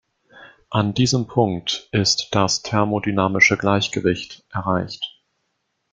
An diesem Punkt ist das thermodynamische Gleichgewicht erreicht.